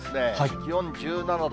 気温１７度。